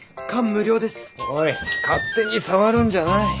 おい勝手に触るんじゃない。